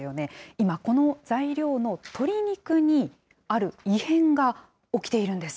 今、この材料の鶏肉にある異変が起きているんです。